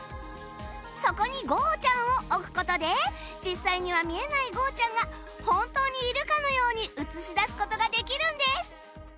そこにゴーちゃん。を置く事で実際には見えないゴーちゃん。が本当にいるかのように映し出す事ができるんです！